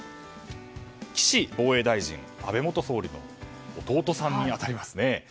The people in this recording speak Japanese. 岸防衛大臣、安倍元総理の弟さんに当たります。